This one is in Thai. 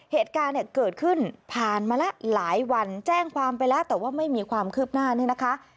เหตุการณ์เนี่ยเกิดขึ้นผ่านมาแล้วหลายวันแจ้งความไปแล้วแต่ว่าไม่มีความคืบหน้านี่นะคะ